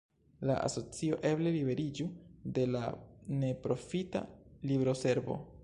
La asocio eble liberiĝu de la neprofita libroservo.